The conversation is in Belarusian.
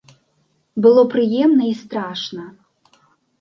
Было прыемна і страшна.